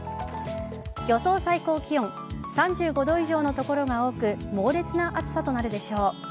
予想最高気温３５度以上の所が多く猛烈な暑さとなるでしょう。